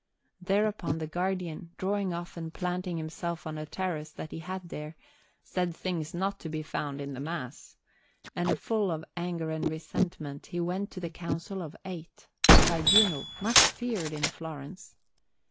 Thereupon the Guardian, drawing off and planting himself on a terrace that he had there, said things not to be found in the Mass; and full of anger and resentment he went to the Council of Eight, a tribunal much feared in Florence.